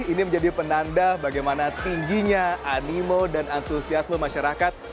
ini menjadi penanda bagaimana tingginya animo dan antusiasme masyarakat